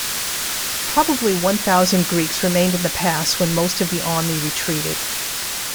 Probably one thousand Greeks remained in the pass when most of the army retreated.